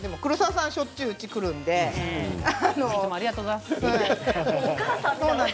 黒沢さんはしょっちゅういつもありがとうございます。